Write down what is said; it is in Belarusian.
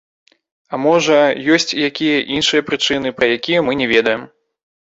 А, можа, ёсць і якія іншыя прычыны, пра якія мы не ведаем.